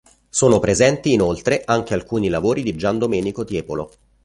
Sono presenti inoltre anche alcuni lavori di Giandomenico Tiepolo.